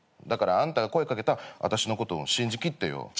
だからあんたが声掛けた私のことを信じきってよ。